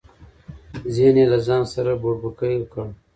ذهن یې له ځانه سره بوړبوکۍ کړ.